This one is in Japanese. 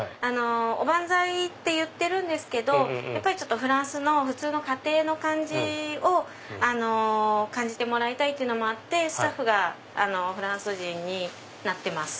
お番菜っていってるんですけどフランスの普通の家庭の感じを感じてもらいたいというのもあってスタッフがフランス人になってます。